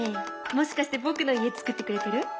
もしかして僕の家作ってくれてる？